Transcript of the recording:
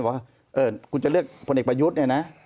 แต่เราก็ไม่ได้บอกกูจะเลือกคนเอกประยุทธ์เนี่ยนะ